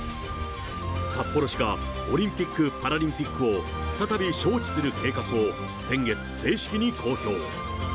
札幌市がオリンピック・パラリンピックを再び招致する計画を先月、正式に公表。